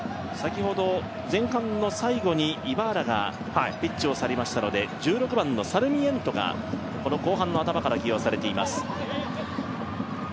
前半の最後にイバーラがピッチを去りましたので１６番のサルミエントがこの後半の頭から起用されています。